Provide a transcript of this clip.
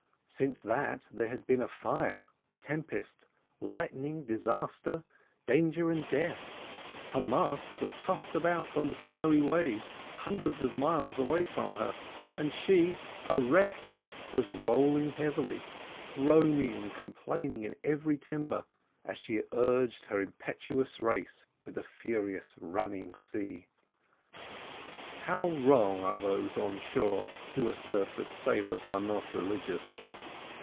Since that, there had been fire, tempest, lightning, disaster, danger, and death; her masts were tossed about on the snowy waves hundreds of miles away from her and she, a wreck, was rolling heavily, groaning and complaining in every timber as she urged her impetuous race with the furious running sea. How wrong are those on shore who assert that sailors are not religious!